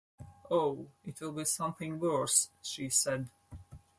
‘Oh, it will be something worse,’ she said.